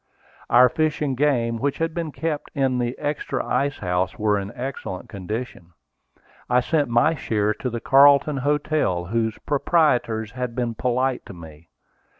Our fish and game which had been kept in the extra ice house were in excellent condition. I sent my share to the Carlton Hotel, whose proprietors had been polite to me.